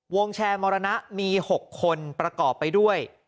วงแชร์มรณะมี๖คนประกอบไปด้วย